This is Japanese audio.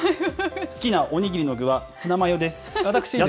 好きなお握りの具はツナマヨです。